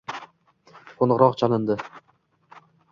Qo‘ng‘iroq chalindi.